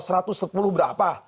seratus sepuluh berapa